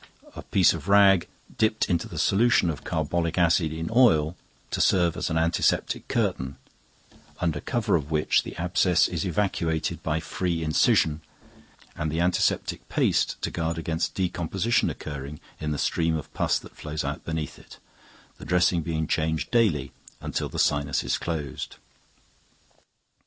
a piece of rag dipped into the solution of carbolic add in oil to serve as an antiseptic curtain, under cover of which the abscess is evacuated by free incision, and the antiseptic paste to guard against decomposition occurring in the stream of pus that flows out beneath it; the dressing being changed daily until the sinus is closed.